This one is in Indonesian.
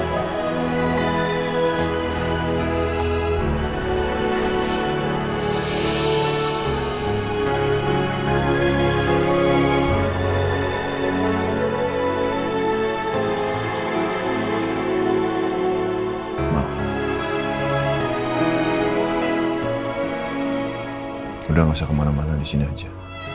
emang udah gak usah kemana mana disini aja